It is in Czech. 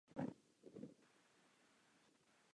Své vysokoškolské vzdělání získal na Londýnské univerzitě.